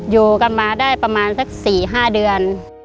อยู่กันมาได้ประมาณสัก๔๕เดือน